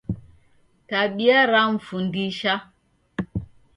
Tabia remfundisha